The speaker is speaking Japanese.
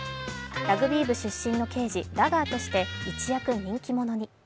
ラグビー部出身の刑事・ラガーとして一躍人気者に。